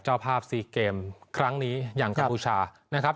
เจ้าภาพซีเกมครั้งนี้อย่างกัมพูชานะครับ